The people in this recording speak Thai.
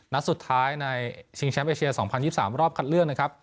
นัดสุดท้ายในชิงแชมป์เอเชีย๒๐๒๓รอบคัดเลือกนะครับ